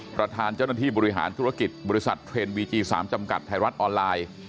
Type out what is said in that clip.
ประธานเจ้าหน้าที่บริหารธุรกิจบริษัทเทรนดวีจี๓จำกัดไทยรัฐออนไลน์